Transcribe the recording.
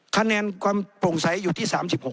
คะแนนความโปร่งใสอยู่ที่๓๖